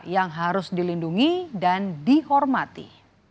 yang harus dilindungi dan dihormati